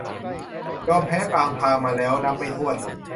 ยอมแพ้กลางทางมาแล้วนับไม่ถ้วน